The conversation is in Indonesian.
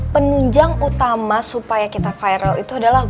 penunjang utama supaya kita viral itu adalah